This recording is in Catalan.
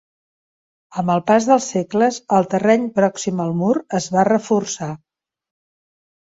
Amb el pas dels segles, el terreny pròxim al mur es va reforçar.